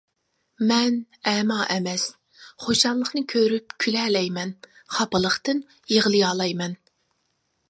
مەن ئەما ئەمەس، خۇشاللىقىنى كۆرۈپ كۈلەلەيمەن، خاپىلىقتىن يىغلىيالايمەن!